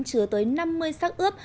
chứa tới năm mươi sắc ướp